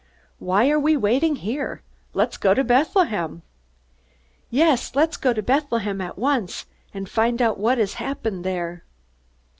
"Why are we waiting here? Let's go to Bethlehem." "Yes, let's go to Bethlehem at once, and find out what has happened there."